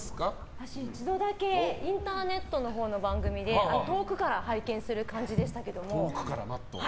私、一度だけインターネットの番組で遠くから拝見する感じでしたけど。